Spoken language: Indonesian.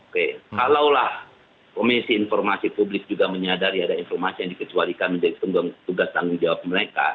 kalau lah komisi informasi publis juga menyadari ada informasi yang dikecuarikan menjadi tugas tanggung jawab mereka